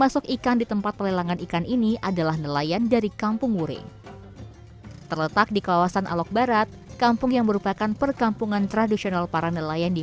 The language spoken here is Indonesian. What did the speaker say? seperti itulah kehidupan warga gojadoi